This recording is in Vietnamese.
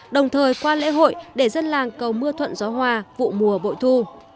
đồng thời qua lễ hội để dân làng cầu mưa thuận gió hòa vụ mùa bội thu